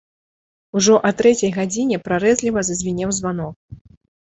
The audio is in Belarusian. Ужо а трэцяй гадзіне прарэзліва зазвінеў званок.